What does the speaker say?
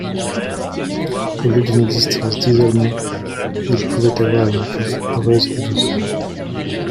Au lieu d'une existence d'isolement, il pouvait avoir une vie heureuse et douce.